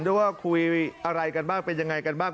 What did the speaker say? ด้วยว่าคุยอะไรกันบ้างเป็นยังไงกันบ้าง